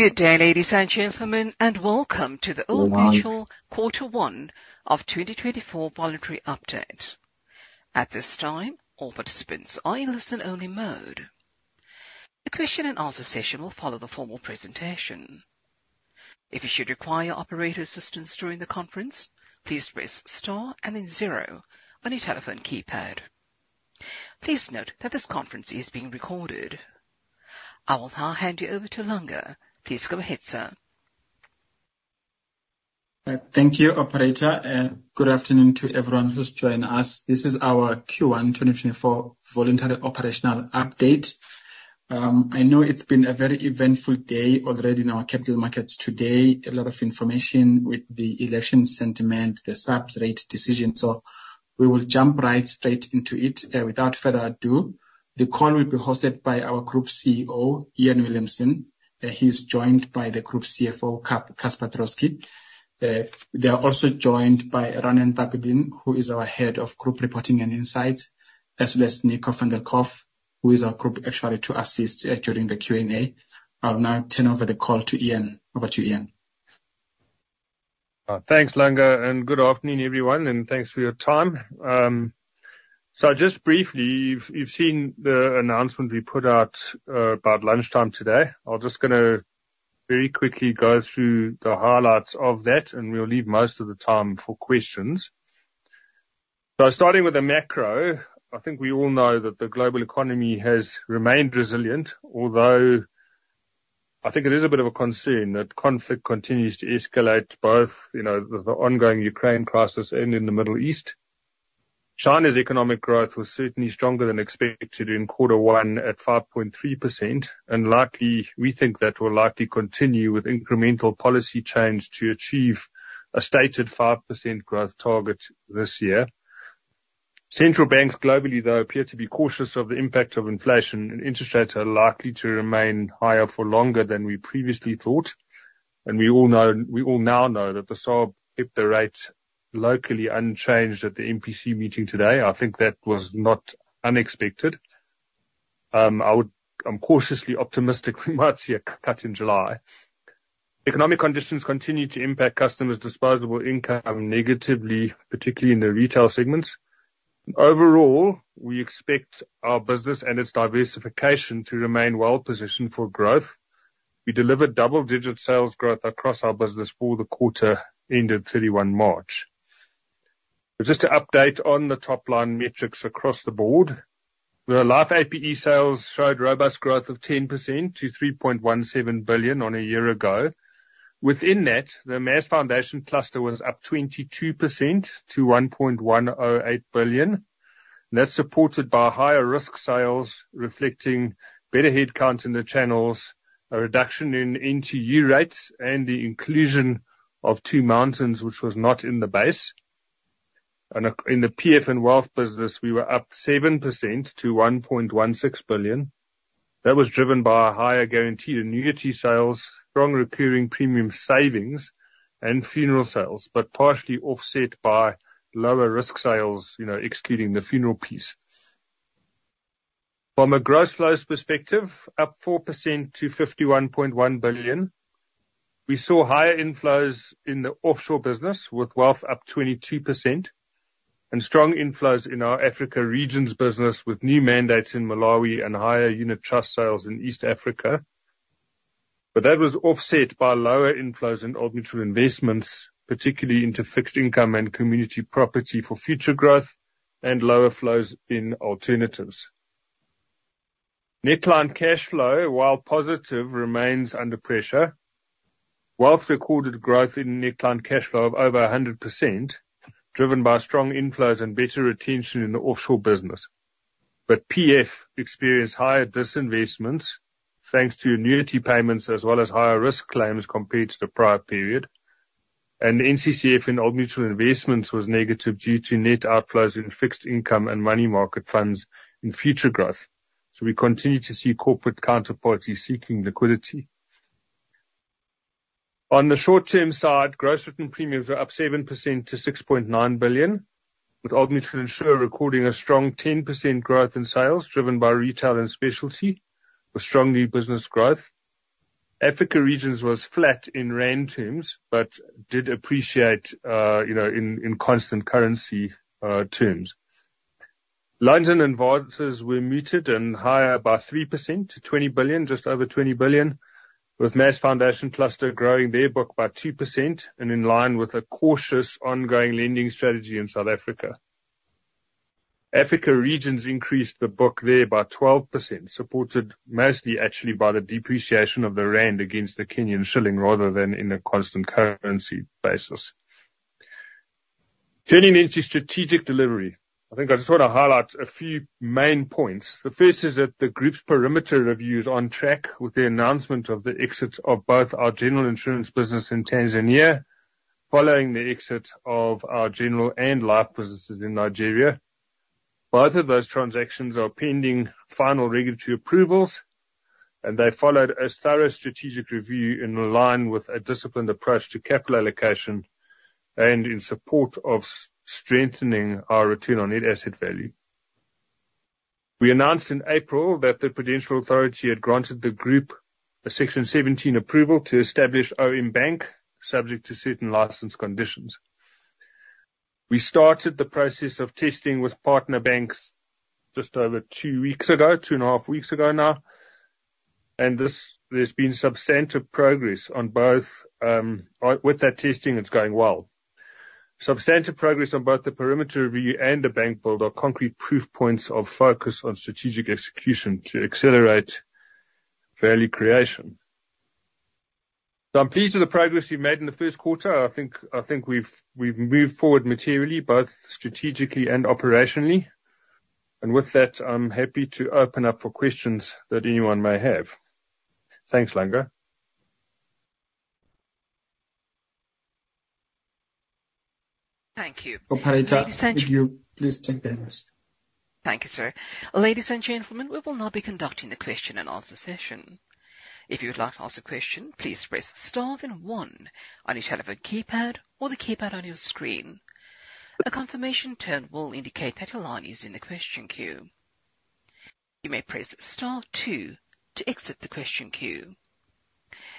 Good day, ladies and gentlemen, and welcome to the Old Mutual Q1 2024 Voluntary Update. At this time, all participants are in listen-only mode. The question and answer session will follow the formal presentation. If you should require operator assistance during the conference, please press star and then zero on your telephone keypad. Please note that this conference is being recorded. I will now hand you over to Langa. Please go ahead, sir. Thank you, operator, and good afternoon to everyone who's joined us. This is our Q1 2024 voluntary operational update. I know it's been a very eventful day already in our capital markets today. A lot of information with the election sentiment, the SARB rate decision, so we will jump right straight into it. Without further ado, the call will be hosted by our Group CEO, Iain Williamson. He's joined by the Group CFO, Casper Troskie. They are also joined by Ranen Thakurdin, who is our Head of Group Reporting and Insights, as well as Nico van der Colff, who is our group actuary to assist during the Q&A. I'll now turn over the call to Iain. Over to you, Iain. Thanks, Langa, and good afternoon, everyone, and thanks for your time. So just briefly, you've seen the announcement we put out, about lunchtime today. I'm just gonna very quickly go through the highlights of that, and we'll leave most of the time for questions. So starting with the macro, I think we all know that the global economy has remained resilient, although I think it is a bit of a concern that conflict continues to escalate, both, you know, with the ongoing Ukraine crisis and in the Middle East. China's economic growth was certainly stronger than expected in quarter one, at 5.3%, and likely, we think that will likely continue with incremental policy change to achieve a stated 5% growth target this year. Central banks globally, though, appear to be cautious of the impact of inflation, and interest rates are likely to remain higher for longer than we previously thought. And we all know, we all now know that the SARB kept the rates locally unchanged at the MPC meeting today. I think that was not unexpected. I'm cautiously optimistic we might see a cut in July. Economic conditions continue to impact customers' disposable income negatively, particularly in the retail segments. Overall, we expect our business and its diversification to remain well positioned for growth. We delivered double-digit sales growth across our business for the quarter ending 31 March. But just to update on the top-line metrics across the board, the Life APE sales showed robust growth of 10% to 3.17 billion on a year ago. Within that, the Mass and Foundation Cluster was up 22% to 1.108 billion. That's supported by higher risk sales, reflecting better headcount in the channels, a reduction in NTU rates, and the inclusion of Two Mountains, which was not in the base. And in the PF and Wealth business, we were up 7% to 1.16 billion. That was driven by higher guaranteed annuity sales, strong recurring premium savings and funeral sales, but partially offset by lower risk sales, you know, excluding the funeral piece. From a gross flows perspective, up 4% to 51.1 billion. We saw higher inflows in the offshore business, with wealth up 22%, and strong inflows in our Africa Regions business, with new mandates in Malawi and higher unit trust sales in East Africa. That was offset by lower inflows in Old Mutual Investments, particularly into fixed income and Community Property Fund for Futuregrowth and lower flows in alternatives. Net client cashflow, while positive, remains under pressure. Wealth recorded growth in net client cashflow of over 100%, driven by strong inflows and better retention in the offshore business. PF experienced higher disinvestments, thanks to annuity payments, as well as higher risk claims compared to the prior period. NCCF in Old Mutual Investments was negative due to net outflows in fixed income and money market funds in Futuregrowth. We continue to see corporate counterparties seeking liquidity. On the short-term side, gross written premiums are up 7% to 6.9 billion, with Old Mutual Insure recording a strong 10% growth in sales, driven by retail and specialty, with strong new business growth. Africa Regions was flat in rand terms, but did appreciate, you know, in constant currency terms. Loans and advances were muted and higher by 3% to 20 billion, just over 20 billion, with Mass and Foundation Cluster growing their book by 2% and in line with a cautious, ongoing lending strategy in South Africa. Africa Regions increased the book there by 12%, supported mostly actually by the depreciation of the rand against the Kenyan shilling, rather than in a constant currency basis. Turning into strategic delivery, I think I just want to highlight a few main points. The first is that the group's perimeter review is on track with the announcement of the exit of both our general insurance business in Tanzania, following the exit of our general and life businesses in Nigeria. Both of those transactions are pending final regulatory approvals, and they followed a thorough strategic review in line with a disciplined approach to capital allocation and in support of strengthening our return on net asset value. We announced in April that the Prudential Authority had granted the group a Section 17 approval to establish OM Bank, subject to certain license conditions. We started the process of testing with partner banks just over two weeks ago, 2.5 weeks ago now, and this, there's been substantive progress on both, with that testing, it's going well. Substantive progress on both the perimeter review and the bank build are concrete proof points of focus on strategic execution to accelerate value creation. So I'm pleased with the progress we've made in the first quarter. I think, I think we've, we've moved forward materially, both strategically and operationally. With that, I'm happy to open up for questions that anyone may have. Thanks, Langa. Thank you. Operator, could you please take the next? Thank you, sir. Ladies and gentlemen, we will now be conducting the question and answer session. If you would like to ask a question, please press star then one on your telephone keypad or the keypad on your screen. A confirmation tone will indicate that your line is in the question queue. You may press star two to exit the question queue.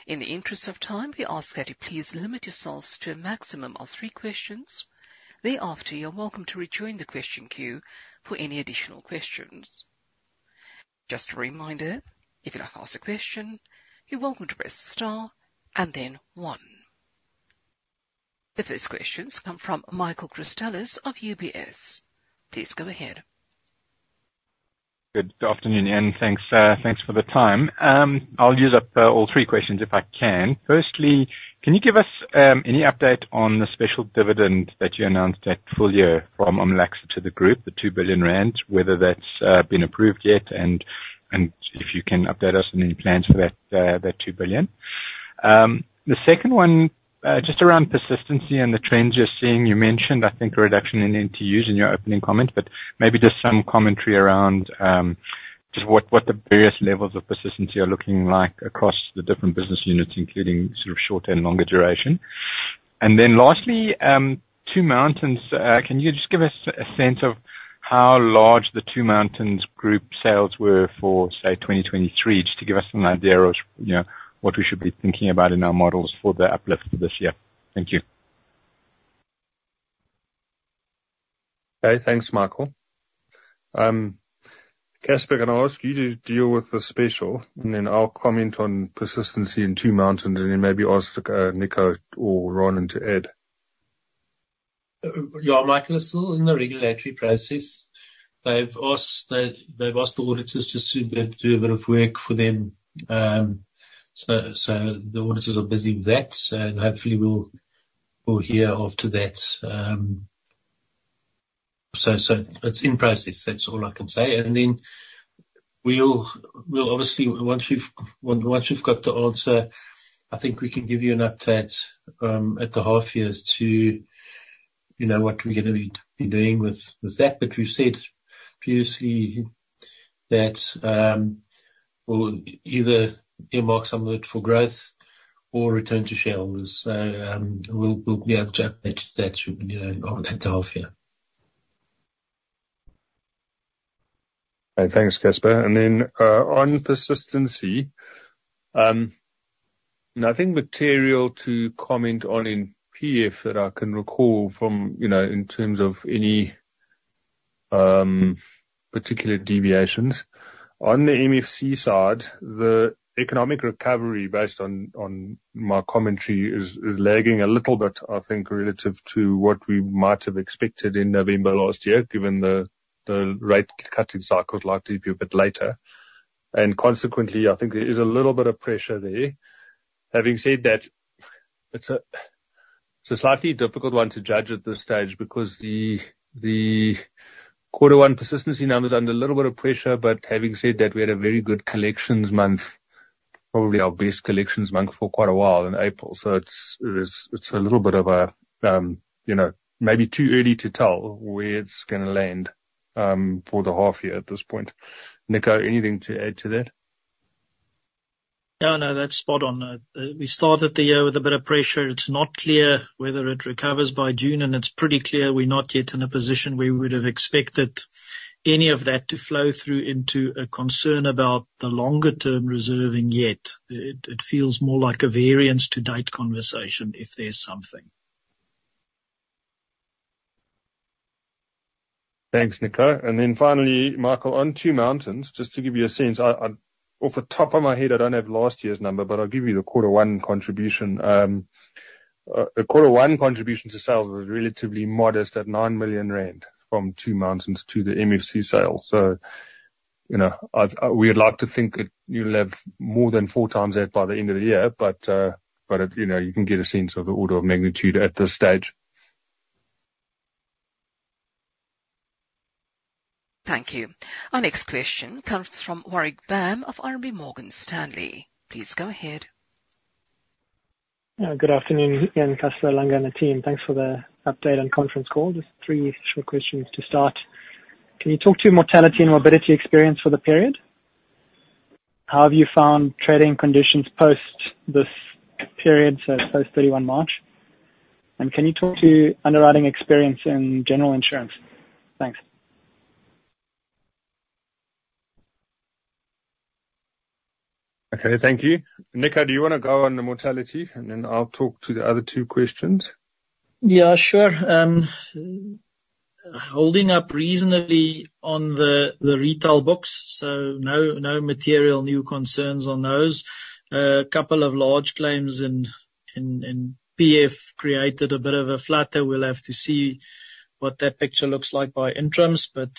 In the interest of time, we ask that you please limit yourselves to a maximum of three questions. Thereafter, you're welcome to rejoin the question queue for any additional questions. Just a reminder, if you'd like to ask a question, you're welcome to press star and then One. The first questions come from Michael Christelis of UBS. Please go ahead. Good afternoon, Iain. Thanks, thanks for the time. I'll use up all three questions if I can. Firstly, can you give us any update on the special dividend that you announced at full year from OMLACSA to the group, the 2 billion rand, whether that's been approved yet, and, and if you can update us on any plans for that that 2 billion? The second one just around persistency and the trends you're seeing. You mentioned, I think, a reduction in NTUs in your opening comments, but maybe just some commentary around just what the various levels of persistency are looking like across the different business units, including sort of shorter and longer duration. And then lastly, Two Mountains. Can you just give us a sense of how large the Two Mountains group sales were for, say, 2023, just to give us an idea of, you know, what we should be thinking about in our models for the uplift this year? Thank you. Okay. Thanks, Michael. Casper, can I ask you to deal with the special? And then I'll comment on persistency in Two Mountains, and then maybe ask Nico or Ranen to add. Yeah, Michael, we're still in the regulatory process. They've asked the auditors to soon be able to do a bit of work for them. So the auditors are busy with that, and hopefully we'll hear after that. So it's in process. That's all I can say. And then we'll obviously, once we've got the answer, I think we can give you an update at the half year as to, you know, what we're gonna be doing with that. But we've said previously that we'll either earmark some of it for growth or return to shareholders. So we'll be able to update that, you know, on the half year. Thanks, Casper. And then on persistency, nothing material to comment on in PF that I can recall from, you know, in terms of any particular deviations. On the MFC side, the economic recovery, based on my commentary, is lagging a little bit, I think, relative to what we might have expected in November last year, given the rate cutting cycle is likely to be a bit later. And consequently, I think there is a little bit of pressure there. Having said that, it's a slightly difficult one to judge at this stage because the quarter one persistency numbers are under a little bit of pressure. But having said that, we had a very good collections month, probably our best collections month for quite a while in April. So it's a little bit of a, you know, maybe too early to tell where it's gonna land for the half year at this point. Nico, anything to add to that? No, no, that's spot on. We started the year with a bit of pressure. It's not clear whether it recovers by June, and it's pretty clear we're not yet in a position where we would have expected any of that to flow through into a concern about the longer term reserving yet. It, it feels more like a variance-to-date conversation, if there's something. Thanks, Nico. And then finally, Michael, on Two Mountains, just to give you a sense, off the top of my head, I don't have last year's number, but I'll give you the quarter one contribution. The quarter one contribution to sales was relatively modest, at 9 million rand from Two Mountains to the MFC sales. So, you know, I, we would like to think that you'll have more than four times that by the end of the year. But, but, you know, you can get a sense of the order of magnitude at this stage. Thank you. Our next question comes from Warwick Bam of RMB Morgan Stanley. Please go ahead. Good afternoon, Iain, Casper, Langa, and the team. Thanks for the update and conference call. Just three short questions to start. Can you talk to mortality and morbidity experience for the period? How have you found trading conditions post this period, so post 31 March? And can you talk to underwriting experience in general insurance? Thanks. Okay, thank you. Nico, do you wanna go on the mortality, and then I'll talk to the other two questions? Yeah, sure. Holding up reasonably on the retail books, so no, no material new concerns on those. A couple of large claims in PF created a bit of a flutter. We'll have to see what that picture looks like by interim, but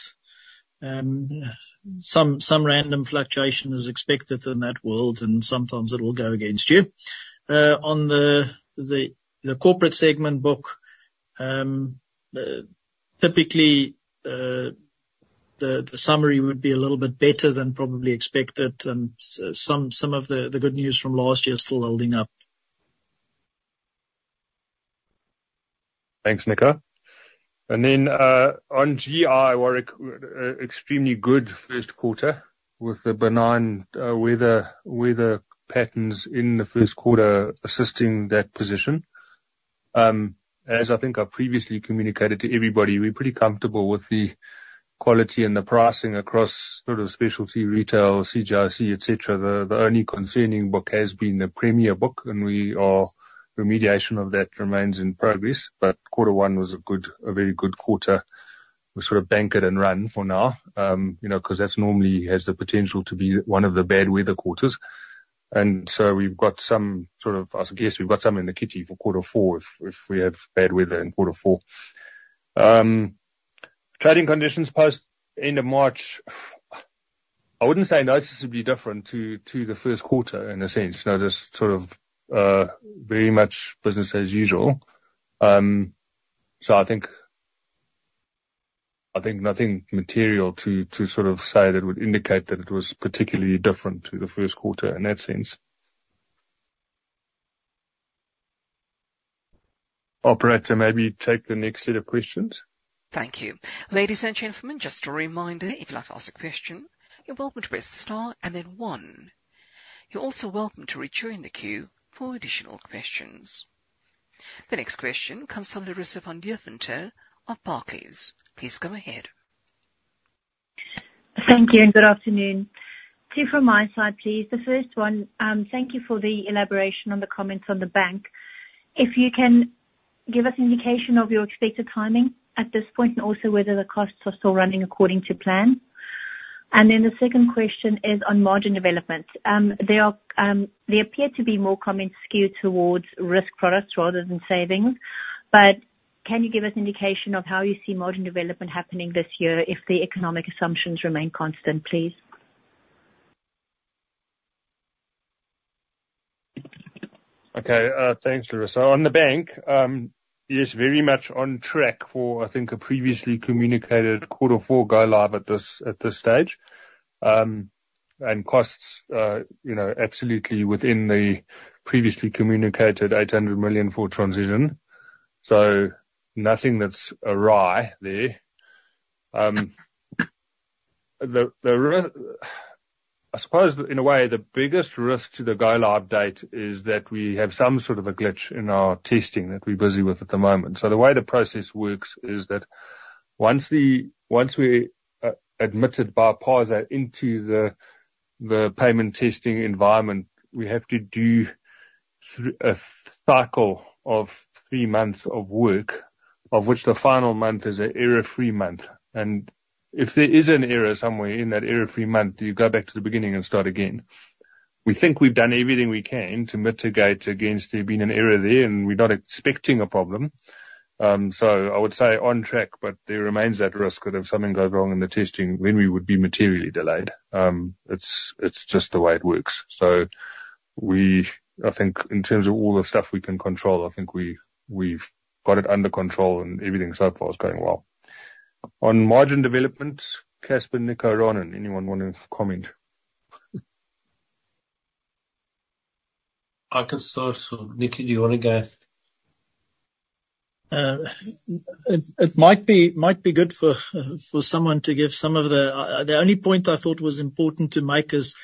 some random fluctuation is expected in that world, and sometimes it'll go against you. On the corporate segment book, typically the summary would be a little bit better than probably expected, and some of the good news from last year is still holding up. Thanks, Nico. And then on GI, we're extremely good first quarter with the benign weather patterns in the first quarter, assisting that position. As I think I previously communicated to everybody, we're pretty comfortable with the quality and the pricing across sort of specialty retail, CGIC, et cetera. The only concerning book has been the premier book, and we are... Remediation of that remains in progress, but quarter one was a good, a very good quarter. We sort of bank it and run for now, you know, because that's normally has the potential to be one of the bad weather quarters. And so we've got some sort of, I guess, we've got some in the kitty for quarter four, if we have bad weather in quarter four. Trading conditions post end of March, I wouldn't say noticeably different to, to the first quarter in a sense. You know, just sort of, very much business as usual. So I think, I think nothing material to, to sort of say that would indicate that it was particularly different to the first quarter in that sense. Operator, maybe take the next set of questions. Thank you. Ladies and gentlemen, just a reminder, if you'd like to ask a question, you're welcome to press star and then one. You're also welcome to rejoin the queue for additional questions. The next question comes from Larissa van Deventer of Barclays. Please go ahead. Thank you, and good afternoon. Two from my side, please. The first one, thank you for the elaboration on the comments on the bank. If you can give us indication of your expected timing at this point, and also whether the costs are still running according to plan. And then the second question is on margin development. There are, they appear to be more commonly skewed towards risk products rather than savings. But can you give us indication of how you see margin development happening this year if the economic assumptions remain constant, please? Okay, thanks, Larissa. On the bank, it is very much on track for, I think, a previously communicated quarter four go live at this stage. And costs, you know, absolutely within the previously communicated 800 million for transition. So nothing that's awry there. I suppose, in a way, the biggest risk to the go live date is that we have some sort of a glitch in our testing that we're busy with at the moment. So the way the process works is that once we admit it by PASA into the payment testing environment, we have to do a cycle of three months of work, of which the final month is an error-free month. And if there is an error somewhere in that error-free month, you go back to the beginning and start again. We think we've done everything we can to mitigate against there being an error there, and we're not expecting a problem. So I would say on track, but there remains that risk that if something goes wrong in the testing, then we would be materially delayed. It's just the way it works. So we... I think in terms of all the stuff we can control, I think we've got it under control, and everything so far is going well. On margin development, Casper, Nico, Ranen, anyone wanting to comment? I can start. So, Nico, do you wanna go? It might be good for someone to give some of the... The only point I thought was important to make is,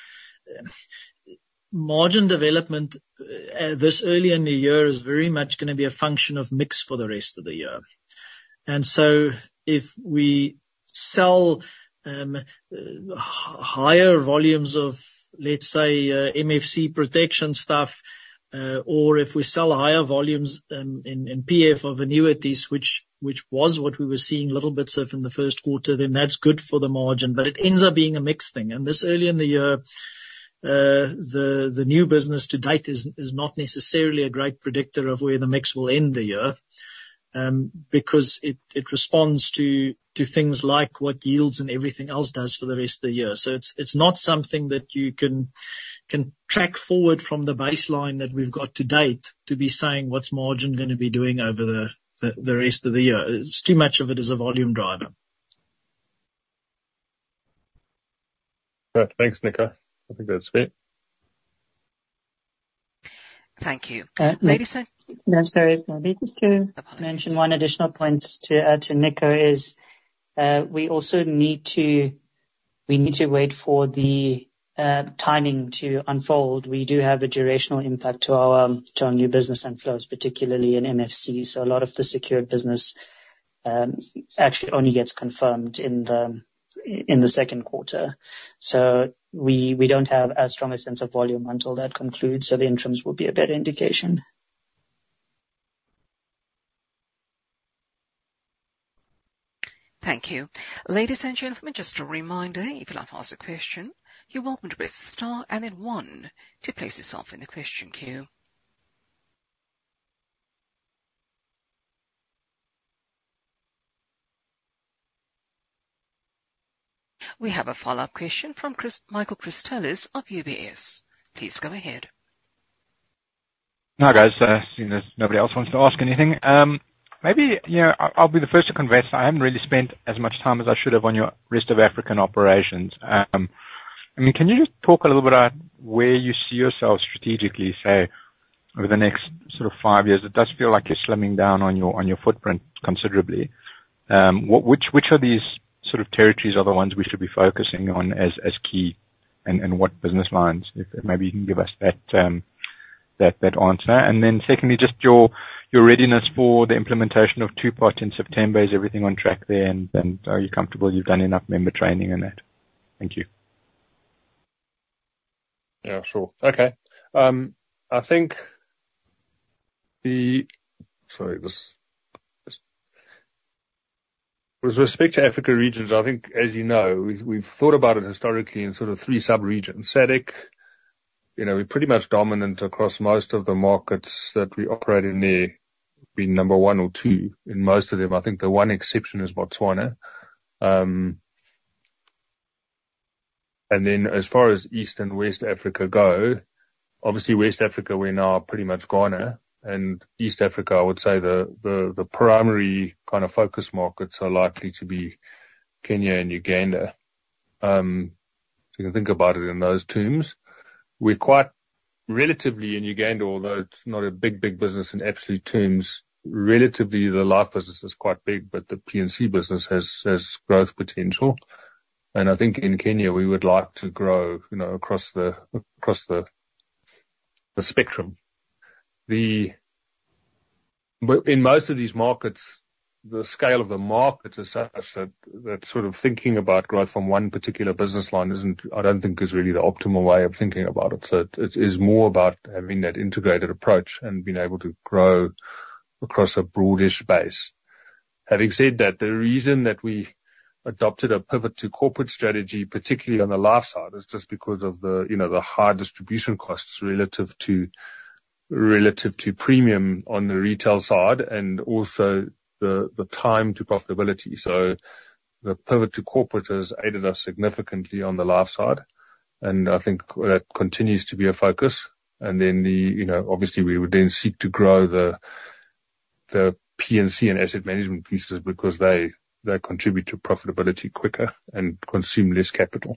margin development this early in the year is very much gonna be a function of mix for the rest of the year. And so if we sell higher volumes of, let's say, MFC protection stuff, or if we sell higher volumes in PF of annuities, which was what we were seeing little bits of in the first quarter, then that's good for the margin. But it ends up being a mixed thing, and this early in the year, the new business to date is not necessarily a great predictor of where the mix will end the year. Because it responds to things like what yields and everything else does for the rest of the year. So it's not something that you can track forward from the baseline that we've got to date, to be saying, what's margin gonna be doing over the rest of the year? It's too much of it is a volume driver. Yeah. Thanks, Nico. I think that's great. Thank you. Ladies and- No, sorry, maybe just to mention one additional point to add to Nico is, we also need to, we need to wait for the, timing to unfold. We do have a durational impact to our, to our new business inflows, particularly in MFC. So a lot of the secured business, actually only gets confirmed in the, in the second quarter. So we, we don't have as strong a sense of volume until that concludes, so the interims will be a better indication. Thank you. Ladies and gentlemen, just a reminder, if you'd like to ask a question, you're welcome to press star and then one to place yourself in the question queue. We have a follow-up question from Michael Christelis of UBS. Please go ahead. Hi, guys. Seeing as nobody else wants to ask anything, maybe, you know, I, I'll be the first to confess, I haven't really spent as much time as I should have on your rest of African operations. I mean, can you just talk a little bit about where you see yourselves strategically, say, over the next sort of five years? It does feel like you're slimming down on your, on your footprint considerably. Which, which of these sort of territories are the ones we should be focusing on as, as key, and, and what business lines? If, if maybe you can give us that, that answer. And then secondly, just your, your readiness for the implementation of Two-Pot in September. Is everything on track there, and, and are you comfortable you've done enough member training on that? Thank you. Yeah, sure. Okay. I think, sorry, just with respect to Africa regions, I think, as you know, we've thought about it historically in sort of three subregions: SADC, you know, we're pretty much dominant across most of the markets that we operate in there. We've been number one or two in most of them. I think the one exception is Botswana. And then as far as East and West Africa go, obviously West Africa, we're now pretty much Ghana, and East Africa, I would say the primary kind of focus markets are likely to be Kenya and Uganda. So you can think about it in those terms. We're quite relatively in Uganda, although it's not a big business in absolute terms, relatively, the life business is quite big, but the P&C business has growth potential. I think in Kenya, we would like to grow, you know, across the spectrum. But in most of these markets, the scale of the market is such that that sort of thinking about growth from one particular business line isn't, I don't think, really the optimal way of thinking about it. So it is more about having that integrated approach and being able to grow across a broadish base. Having said that, the reason that we adopted a pivot to corporate strategy, particularly on the life side, is just because of the, you know, the high distribution costs relative to premium on the retail side, and also the time to profitability. So the pivot to corporate has aided us significantly on the life side, and I think that continues to be a focus. And then, you know, obviously, we would then seek to grow the P&C and asset management pieces because they contribute to profitability quicker and consume less capital.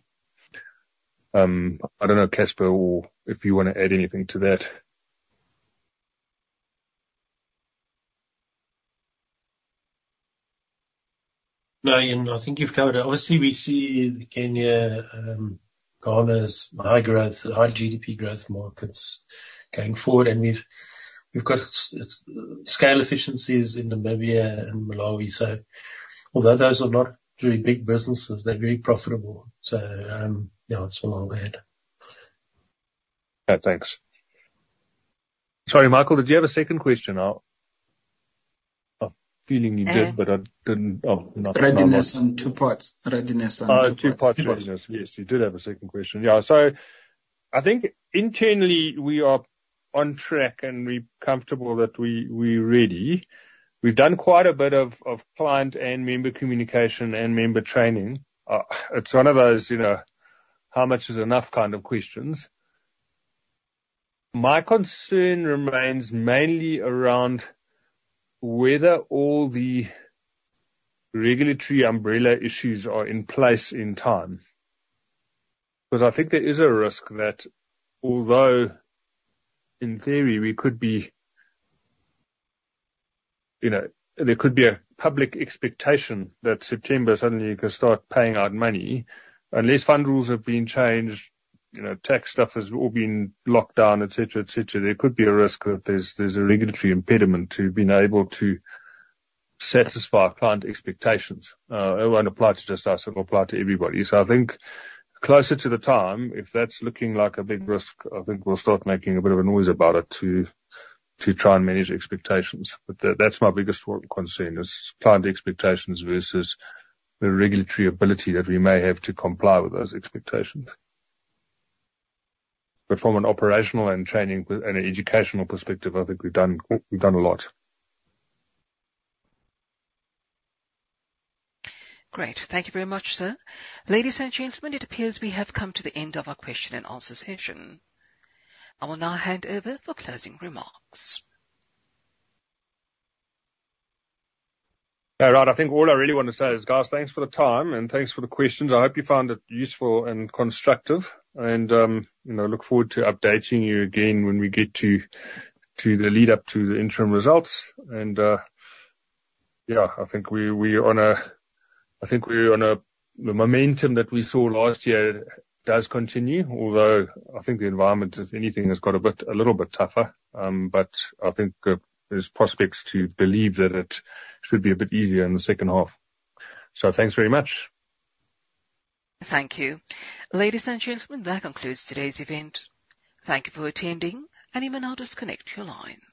I don't know, Casper, or if you wanna add anything to that? No, Ian, I think you've covered it. Obviously, we see Kenya, Ghana's high growth, high GDP growth markets going forward, and we've got scale efficiencies in Namibia and Malawi. So although those are not very big businesses, they're very profitable. So, yeah, it's along there. Thanks. Sorry, Michael, did you have a second question? I feel like you did, but I didn't... Oh, no. Readiness on Two-Pot. Readiness on Two-Pot. Two-pot readiness. Yes, you did have a second question. Yeah. So I think internally, we are on track, and we're comfortable that we, we're ready. We've done quite a bit of, of client and member communication and member training. It's one of those, you know, how much is enough kind of questions. My concern remains mainly around whether all the regulatory umbrella issues are in place in time. Because I think there is a risk that although in theory, we could be... You know, there could be a public expectation that September, suddenly you can start paying out money. Unless fund rules have been changed, you know, tax stuff has all been locked down, et cetera, et cetera, there could be a risk that there's, there's a regulatory impediment to being able to satisfy client expectations. It won't apply to just us, it will apply to everybody. So I think closer to the time, if that's looking like a big risk, I think we'll start making a bit of a noise about it to try and manage expectations. But that, that's my biggest concern, is client expectations versus the regulatory ability that we may have to comply with those expectations. But from an operational and training and an educational perspective, I think we've done, we've done a lot. Great. Thank you very much, sir. Ladies and gentlemen, it appears we have come to the end of our question and answer session. I will now hand over for closing remarks. All right. I think all I really want to say is, guys, thanks for the time and thanks for the questions. I hope you found it useful and constructive. And, you know, look forward to updating you again when we get to the lead-up to the interim results. And, yeah, I think we're on a the momentum that we saw last year does continue, although I think the environment, if anything, has got a bit, a little bit tougher. But I think, there's prospects to believe that it should be a bit easier in the second half. So thanks very much. Thank you. Ladies and gentlemen, that concludes today's event. Thank you for attending, and you may now disconnect your lines.